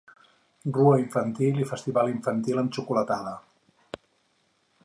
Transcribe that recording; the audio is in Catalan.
Rua infantil i festival infantil amb xocolatada.